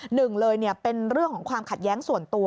หนึ่งเลยเป็นเรื่องของความขัดแย้งส่วนตัว